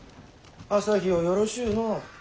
旭をよろしゅうのう。